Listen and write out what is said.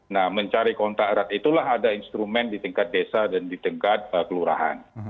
nah mencari kontak erat itulah ada instrumen di tingkat desa dan di tingkat kelurahan